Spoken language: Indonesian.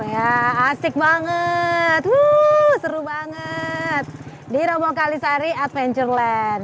ya asik banget seru banget di romo kalisari adventureland